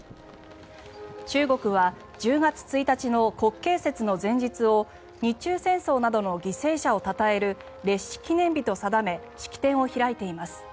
中国は１０月１日の国慶節の前日を日中戦争などの犠牲者をたたえる烈士記念日と定め式典を開いています。